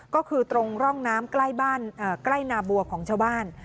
ก็คือตรงร่องน้ำใกล้บ้านใกล้นาบัวของชาวบ้าน